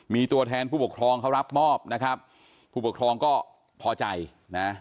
มีตัวแทนผู้ปกครองเขารับมอบนะครับผู้ปกครองก็พอใจนะ